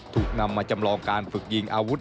ถูกนำมาจำลองการฝึกยิงอาวุธ